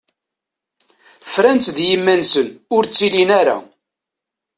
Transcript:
Fran-tt d yiman-nsen, ur ttilin ara.